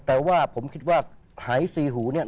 แต่ว่าผมคิดว่าหายซีหูเนี่ย